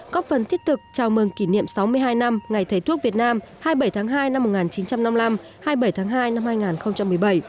có phần thiết thực chào mừng kỷ niệm sáu mươi hai năm ngày thầy thuốc việt nam hai mươi bảy tháng hai năm một nghìn chín trăm năm mươi năm hai mươi bảy tháng hai năm hai nghìn một mươi bảy